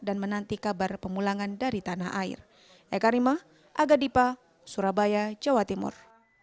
dan menanti kabar pemulangan dari tanah air